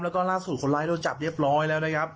แล้วก็ล่าสุดคนร้ายโดนจับเรียบร้อยแล้วนะครับ